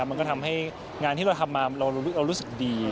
มันก็ทำให้งานที่เราทำมาเรารู้สึกดี